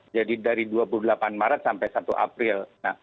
jadi dari dua puluh delapan maret sampai satu april